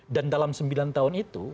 dan dalam sembilan tahun itu